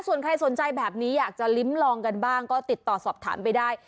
ส่วนใครสนใจแบบนี้อยากจะลิ้มลองกันบ้างก็ติดต่อสอบถามไปได้